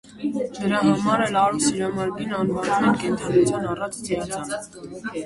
Դրա համար էլ արու սիրամարգին անվանում են կենդանություն առած ծիածան։